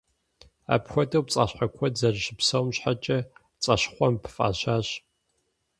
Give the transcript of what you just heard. Апхуэдэу пцӏащхъуэ куэд зэрыщыпсэум щхьэкӏэ «Пцӏащхъуэмб» фӏащащ.